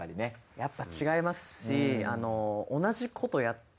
やっぱ違いますし。